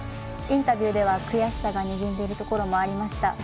インタビューでは悔しさがにじんでいるところがありました。